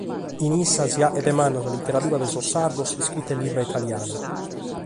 Cun issa si faghet manna sa literadura de sos sardos iscrita in limba italiana.